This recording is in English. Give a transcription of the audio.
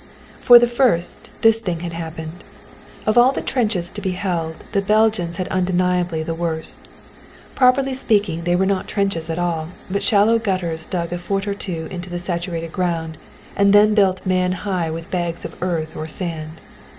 For the first, this thing had happened. Of all the trenches to be held, the Belgians had undeniably the worst. Properly speaking they were not trenches at all, but shallow gutters dug a foot or two into the saturated ground and then built man high with bags of earth or sand.